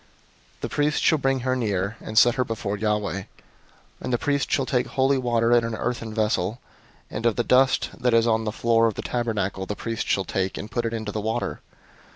005:016 The priest shall bring her near, and set her before Yahweh; 005:017 and the priest shall take holy water in an earthen vessel; and of the dust that is on the floor of the tabernacle the priest shall take, and put it into the water.